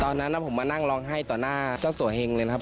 ตอนนั้นแล้วผมมานั่งลองให้ต่อหน้าเจ้าสวยเห็นเลยนะครับ